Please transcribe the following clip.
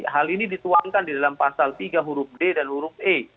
hal ini dituangkan di dalam pasal tiga huruf d dan huruf e